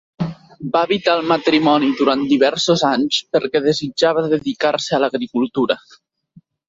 Va evitar el matrimoni durant diversos anys perquè desitjava dedicar-se a l'agricultura.